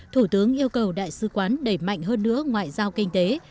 thủ tướng yêu cầu đại sứ quán đẩy mạnh hơn nữa ngoại giao kinh tế